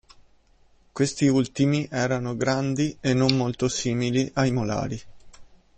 Questi ultimi erano grandi e non molto simili ai molari.